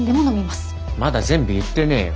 まだ全部言ってねえよ。